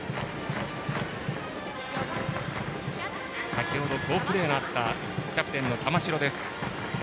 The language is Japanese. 先ほど好プレーのあったキャプテンの玉城です。